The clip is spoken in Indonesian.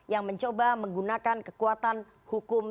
yang mencoba menggunakan kekuatan hukum